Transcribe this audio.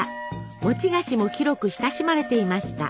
餅菓子も広く親しまれていました。